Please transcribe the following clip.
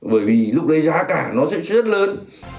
bởi vì lúc đấy giá cả nó sẽ rất lớn